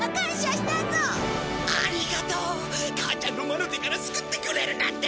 ありがとう母ちゃんの魔の手から救ってくれるなんて！